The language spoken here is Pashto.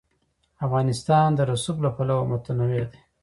افغانستان د رسوب له پلوه متنوع دی.